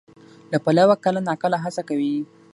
له پلوه کله ناکله هڅه کوي،